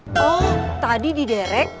oh tadi di derek